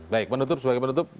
baik menutup sebagai menutup